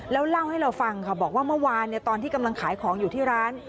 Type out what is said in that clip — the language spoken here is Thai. แล้วเล่าให้เราฟังค่ะบอกว่าเมื่อวานตอนที่กำลังขายของอยู่ที่ร้าน